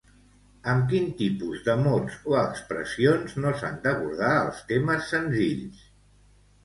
Amb quin tipus de mots o expressions no s'han d'abordar els temes senzills?